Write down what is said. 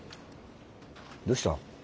どうした？